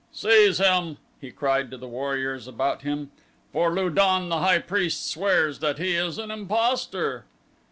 "Seize him," he cried to the warriors about him, "for Lu don, the high priest, swears that he is an impostor."